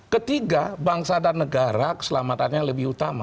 ketiga bangsa dan negara keselamatannya lebih utama